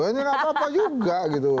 ini nggak apa apa juga gitu